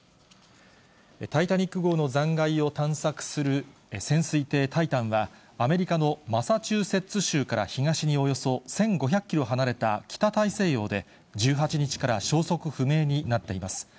タイタニック号の残骸を探索する潜水艇、タイタンは、アメリカのマサチューセッツ州から東におよそ１５００キロ離れた北大西洋で、１８日から消息不明になっています。